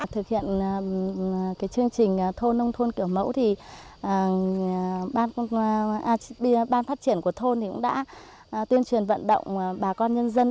thực hiện chương trình thôn nông thôn kiểu mẫu thì ban phát triển của thôn thì cũng đã tuyên truyền vận động bà con nhân dân